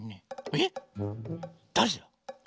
えっだれだ？